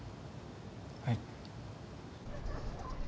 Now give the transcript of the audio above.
はい？